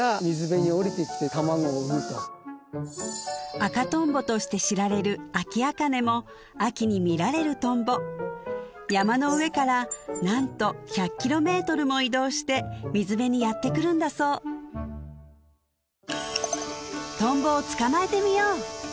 赤トンボとして知られるアキアカネも秋に見られるトンボ山の上からなんと１００ｋｍも移動して水辺にやってくるんだそうトンボを捕まえてみよう！